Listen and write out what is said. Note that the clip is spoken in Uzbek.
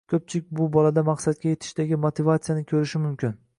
Ko‘pchilik bu bolada maqsadga yetishdagi motivatsiyani ko‘rishi mumkin.